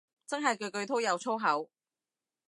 真係句句都有粗口